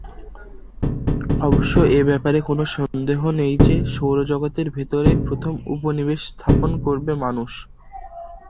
অবশ্য এ ব্যাপারে কোন সন্দেহ নেই যে, সৌরজগতের ভেতরেই প্রথম উপনিবেশ স্থাপন করবে মানুষ।